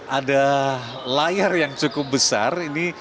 ada layar yang cukup besar ini